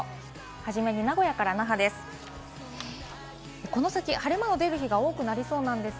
初めに名古屋から那覇です。